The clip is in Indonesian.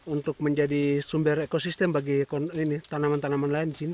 untuk menjadi sumber ekosistem bagi tanaman tanaman lain di sini